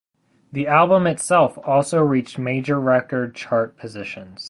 The album itself also reached major record chart positions.